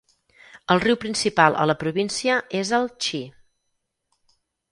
El riu principal a la província és el Chi.